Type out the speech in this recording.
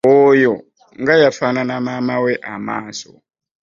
Oyo nga yafanana maama we amaaso.